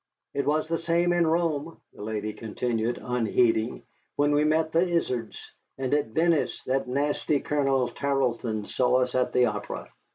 "It was the same in Rome," the lady continued, unheeding, "when we met the Izards, and at Venice that nasty Colonel Tarleton saw us at the opera.